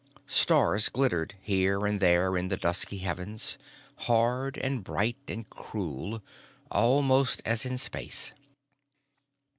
Stars glittered here and there in the dusky heavens, hard and bright and cruel, almost, as in space.